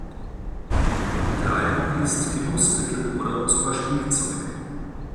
Kleidung ist Genussmittel oder sogar Spielzeug.